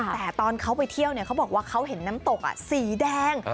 แต่ตอนเขาไปเที่ยวเขาบอกว่าเขาเห็นน้ำตกสีแดง